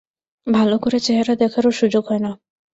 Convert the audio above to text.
ভালো করে চেহারা দেখারও সুযোগ হয় না।